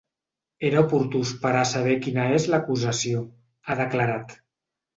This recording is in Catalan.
Era oportú esperar a saber quina és l’acusació, ha declarat.